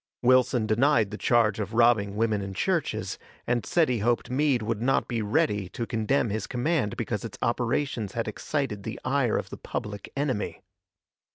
Wilson denied the charge of robbing women and churches, and said he hoped Meade would not be ready to condemn his command because its operations had excited the ire of the public enemy.